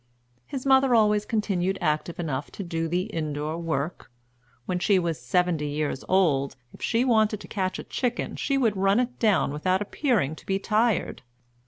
His mother always continued active enough to do the in door work. When she was seventy years old, if she wanted to catch a chicken she would run it down without appearing to be tired.